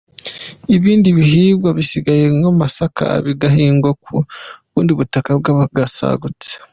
Ibindi bihingwa bisigaye nk’amasaka bigahingwa ku bundi butaka bwasagutse.